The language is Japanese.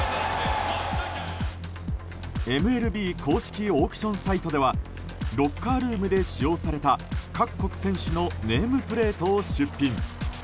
ＭＬＢ公式オークションサイトではロッカールームで使用された各国選手のネームプレートを出品。